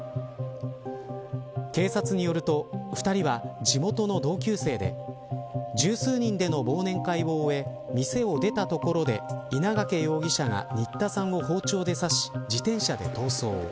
警察によると、２人は地元の同級生で十数人での忘年会を終え店を出たところで稲掛容疑者が新田さんを包丁で刺し自転車で逃走。